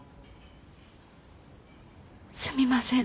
すみません。